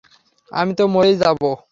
আমি তো মরেই যাব।